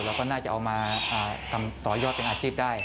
เราก็น่าจะเอามาทำต่อยอดเป็นอาชีพได้